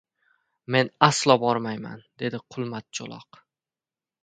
— Men aslo bormayman, — dedi Qulmat cho‘loq.